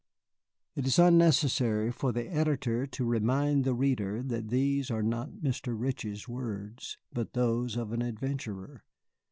¹ ¹ It is unnecessary for the editor to remind the reader that these are not Mr. Ritchie's words, but those of an adventurer.